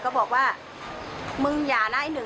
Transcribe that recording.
เขาบอกว่ามึงอย่านะไอ้หนึ่ง